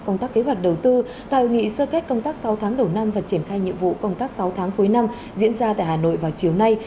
công tác kế hoạch đầu tư tại nghị sơ kết công tác sáu tháng đầu năm và triển khai nhiệm vụ công tác sáu tháng cuối năm diễn ra tại hà nội vào chiều nay